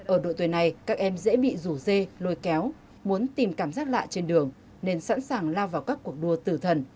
ở đội tuyển này các em dễ bị rủ dê lôi kéo muốn tìm cảm giác lạ trên đường nên sẵn sàng lao vào các cuộc đua tử thần